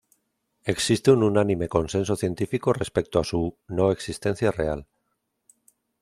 Existe un unánime consenso científico respecto a su no existencia real.